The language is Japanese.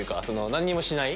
何もしない。